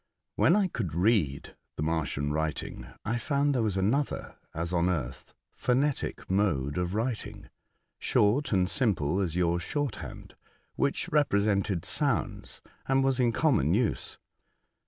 When I could read the Martian writing, I found there was another, as on earth, phonetic mode of writing, short and simple as your shorthand, which represented sounds, and was in common use.